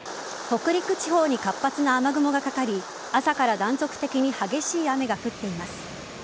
北陸地方に活発な雨雲がかかり朝から断続的に激しい雨が降っています。